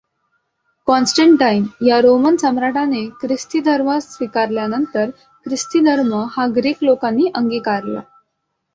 कॉन्स्टंटाईन या रोमन सम्राटाने ख्रिस्ती धर्म स्वीकारल्यानंतर ख्रिस्ती धर्म हा ग्रीक लोकांनी अंगीकारला.